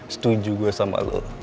setuju gue sama lu